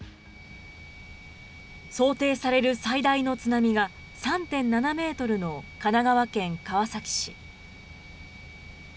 想定される最大の津波が３．７メートルの神奈川県川崎市。